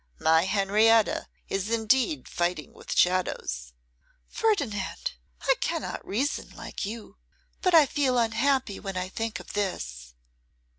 My Henrietta is indeed fighting with shadows!' 'Ferdinand, I cannot reason like you; but I feel unhappy when I think of this.